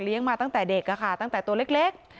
มาตั้งแต่เด็กค่ะตั้งแต่ตัวเล็ก